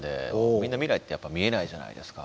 みんな未来ってやっぱ見えないじゃないですか。